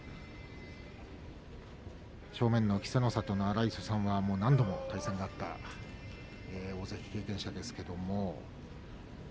正面の稀勢の里の荒磯さんは何度も対戦があった大関経験者ですけれども。